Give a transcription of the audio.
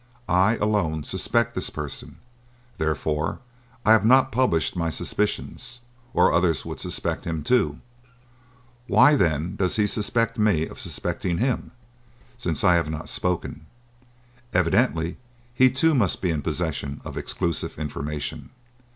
I, alone, suspect this person; therefore I have not published my suspicions, or others would suspect him too. Why, then, does he suspect me of suspecting him, since I have not spoken? Evidently, he too must be in possession of exclusive information.